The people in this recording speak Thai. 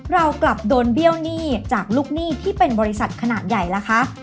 เรากลับโดนเบี้ยวหนี้จากลูกหนี้ที่เป็นบริษัทขนาดใหญ่ล่ะคะ